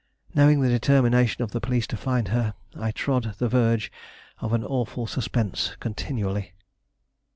Knowing the determination of the police to find her, I trod the verge of an awful suspense continually.